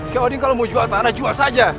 ya oding kalau mau jual tanah jual saja